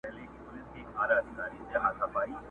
جهاني به په لحد کي وي هېر سوی،